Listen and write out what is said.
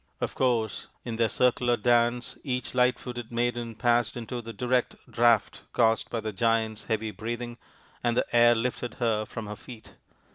Of course in their 46 THE INDIAN STORY BOOK circular dance each light footed maiden passed into the direct draught caused by the Giant's heavy breathing and the air lifted her from her feet.